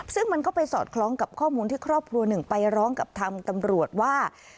ซึ่งมันก็ไปสอดคล้องกับข้อมูลที่ครอบครัวหนึ่งไปร้องกับทางตำรวจว่า